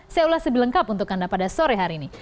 saya ulas lebih lengkap untuk anda pada sore hari ini